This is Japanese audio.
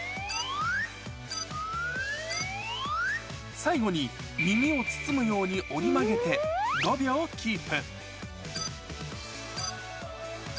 最後に、耳を包むように折り曲げて、５秒キープ。